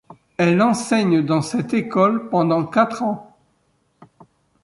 Elle enseigne dans cette école pendant quatre ans.